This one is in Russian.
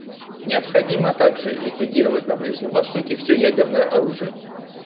Необходимо также ликвидировать на Ближнем Востоке все ядерное оружие.